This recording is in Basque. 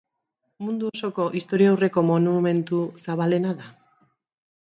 Mundu osoko Historiaurreko monumentu zabalena da.